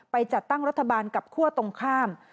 จัดตั้งรัฐบาลกับคั่วตรงข้าม